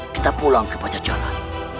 kita pulang ke bajajaran